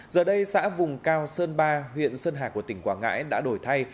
giờ đây xã vùng cao sơn ba huyện sơn hà của tỉnh quảng ngãi đã đổi thay